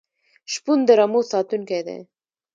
شپون د رمو ساتونکی دی.